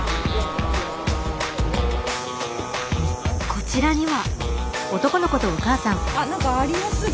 こちらには。